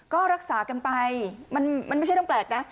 ก็รักษากันไปมันไม่ใช่เรื่องแปลกนะ